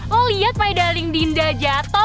lo liat my darling dinda jatoh